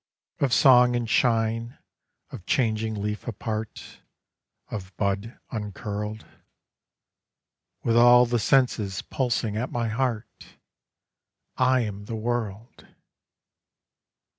Of song and shine, of changing leaf apart, Of bud uncurled: With all the senses pulsing at my heart, I am the world.